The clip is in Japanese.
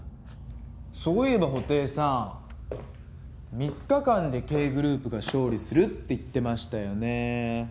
そういえば布袋さん３日間でＫグループが勝利するって言ってましたよねえ。